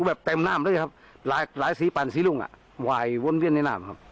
แบบเต็มหน้ามเลยครับหลายหลายสีปั่นสีรุ่งอ่ะวายวนเวียนในน้ำครับ